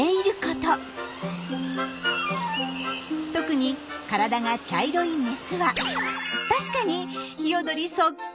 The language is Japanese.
特に体が茶色いメスは確かにヒヨドリそっくりです。